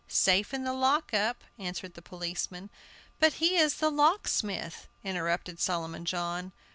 "Safe in the lock up," answered the policeman. "But he is the locksmith!" interrupted Solomon John.